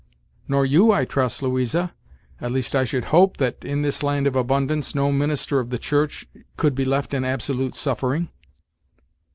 "Nor you, I trust, Louisa; at least I should hope that, in this land of abundance, no minister of the church could be left in absolute suffering."